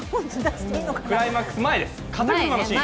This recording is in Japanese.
クライマックス前です。